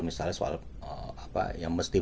misalnya soal apa yang mesti